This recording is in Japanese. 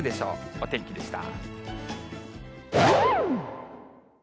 お天気でした。